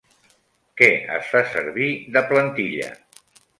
Què es fa servir de plantilla?